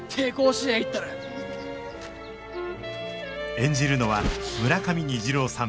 演じるのは村上虹郎さん